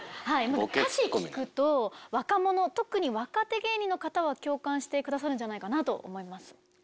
歌詞聞くと若者特に若手芸人の方は共感してくださるんじゃないかと思います。